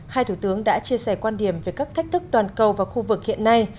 hai thủ tướng đã chia sẻ quan điểm về các thách thức toàn cầu và khu vực hiện nay